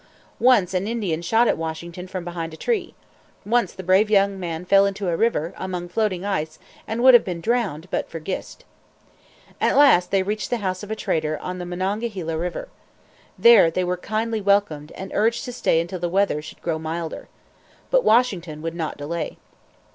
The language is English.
Once an Indian shot at Washington from behind a tree. Once the brave young man fell into a river, among floating ice, and would have been drowned but for Gist. At last they reached the house of a trader on the Monongahela River. There they were kindly welcomed, and urged to stay until the weather should grow milder. But Washington would not delay.